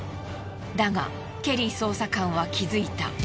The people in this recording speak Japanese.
だがケリー捜査官は気づいた。